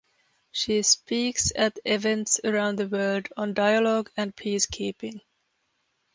She speaks at events around the world on dialogue and peacekeeping.